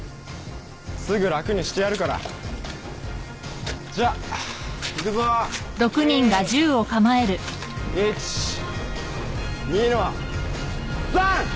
すぐ楽にしてやるからじゃいくぞー１２の３！